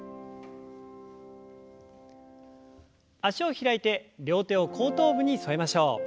脚を開いて両手を後頭部に添えましょう。